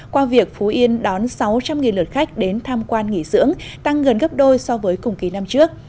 qua việc phú yên đón sáu trăm linh lượt khách đến tham quan nghỉ dưỡng tăng gần gấp đôi so với cùng kỳ năm trước